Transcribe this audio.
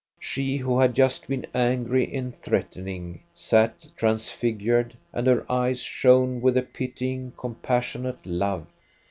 She, who had just been angry and threatening, sat transfigured, and her eyes shone with a pitying, compassionate love.